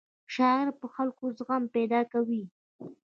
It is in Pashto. شاعرۍ په خلکو کې زغم پیدا کاوه.